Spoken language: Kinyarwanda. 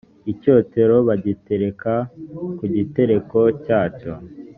icyotero bagitereka ku gitereko cyacyo